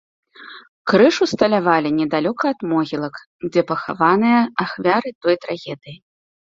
Крыж усталявалі недалёка ад могілак, дзе пахаваныя ахвяры той трагедыі.